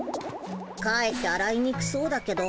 かえってあらいにくそうだけど。